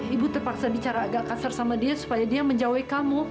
ibu terpaksa bicara agak kasar sama dia supaya dia menjauhi kamu